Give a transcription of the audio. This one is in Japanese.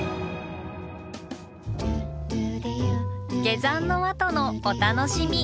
下山のあとのお楽しみ。